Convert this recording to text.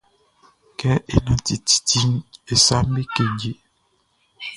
Kɛ é nánti titiʼn, e saʼm be keje.